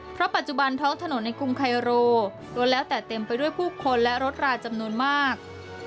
เพราะปัจจุบันท้องถนนในกรุงไคโรนแล้วแต่เต็มไปด้วยผู้คนและรถราจำนวนมาก